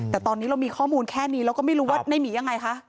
แต่ตอนนี้เรามีข้อมูลแค่นี้เราก็ไม่รู้ว่าในหมียังไงคะ